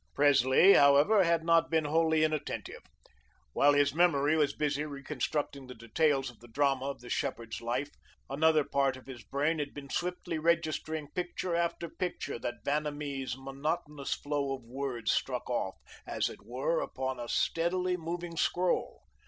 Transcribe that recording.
Presley, however, had not been wholly inattentive. While his memory was busy reconstructing the details of the drama of the shepherd's life, another part of his brain had been swiftly registering picture after picture that Vanamee's monotonous flow of words struck off, as it were, upon a steadily moving scroll.